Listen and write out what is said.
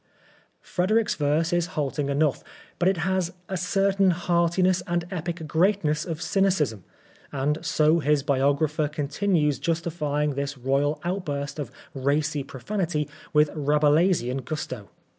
Frederick's verso is halting enough, but it has "a certain heartiness and epic greatness of cynicism"; and so his biographer continues justifying this royal outburst of racy profanity with Rabelaisian gusto.